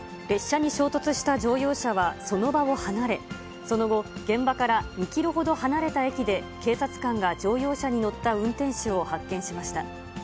列車に衝突した乗用車はその場を離れ、その後、現場から２キロほど離れた駅で、警察官が乗用車に乗った運転手を発見しました。